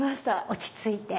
落ち着いて。